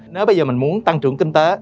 nếu bây giờ mình muốn tăng trưởng kinh tế